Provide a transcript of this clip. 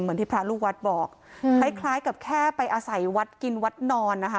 เหมือนที่พระลูกวัดบอกคล้ายคล้ายกับแค่ไปอาศัยวัดกินวัดนอนนะคะ